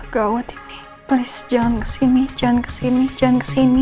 gawat ini please jangan kesini jangan kesini jangan kesini